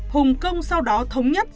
hùng công sau đó thống nhất